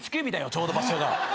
ちょうど場所が。